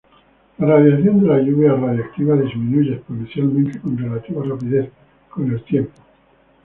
La radiación de la lluvia radiactiva disminuye exponencialmente con relativa rapidez con el tiempo.